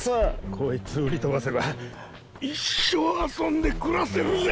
こいつを売りとばせば一生遊んでくらせるぜ。